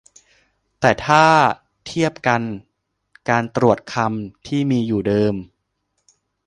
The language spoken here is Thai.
แต่ถ้าเทียบกันการตรวจคำที่มีอยู่เดิม